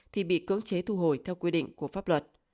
thì bị cưỡng chế thu hồi theo quy định của pháp luật